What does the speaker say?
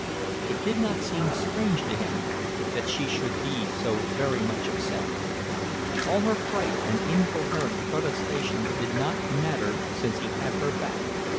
It did not seem strange to him that she should be so very much upset; all her fright and incoherent protestations did not matter since he had her back.